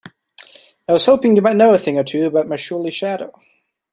I was hoping you might know a thing or two about my surly shadow?